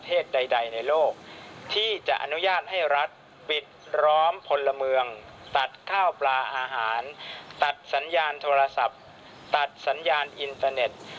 ตัดข้าวปลาอาหารตัดสัญญาณโทรศัพท์ตัดสัญญาณอินเทอร์เน็ต